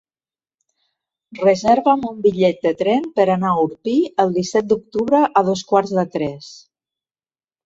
Reserva'm un bitllet de tren per anar a Orpí el disset d'octubre a dos quarts de tres.